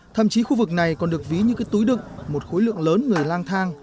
thậm chí khu vực này còn được ví như cái túi đựng một khối lượng lớn người lang thang